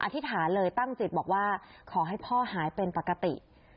อธิษฐานเลยตั้งจิตบอกว่าขอให้พ่อหายเป็นปกติ